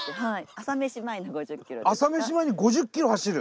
朝飯前に５０ｋｍ走る？